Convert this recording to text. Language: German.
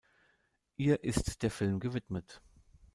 Ihr ist der Film gewidmet.